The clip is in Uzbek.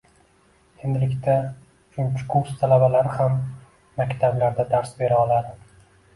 Endilikda uchinchi kurs talabalari ham maktablarda dars bera oladi.